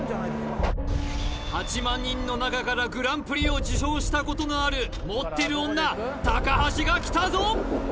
８万人の中からグランプリを受賞したことがある持ってる女橋がきたぞ！